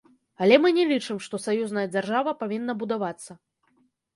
Але мы не лічым, што саюзная дзяржава павінна будавацца.